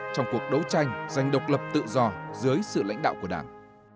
trong cuộc đấu tranh giành độc lập tự do dưới sự lãnh đạo của đảng